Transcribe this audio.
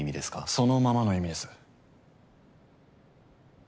そのままの意味です。